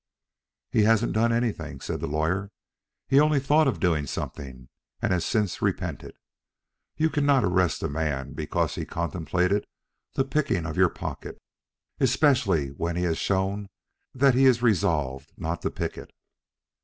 "He hasn't done anything," said the lawyer. "He only thought of doing something, and has since repented. You cannot arrest a man because he had contemplated the picking of your pocket, especially when he has shown that he is resolved not to pick it."